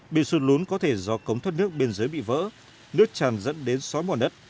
bị sụt lún có thể do cống thoát nước bên dưới bị vỡ nước tràn dẫn đến xói mòn đất